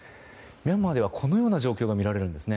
ミャンマーではこのような状況がみられるんですね。